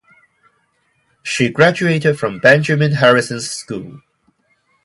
She graduated from Benjamin Harrison School.